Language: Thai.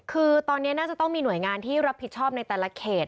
คือตอนนี้น่าจะต้องมีหน่วยงานที่รับผิดชอบในแต่ละเขต